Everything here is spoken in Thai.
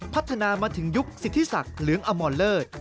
พัฒนามาถึงยุคสิทธิศักดิ์เหลืองอมรเลิศ